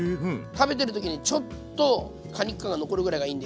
食べてる時にちょっと果肉感が残るぐらいがいいんで。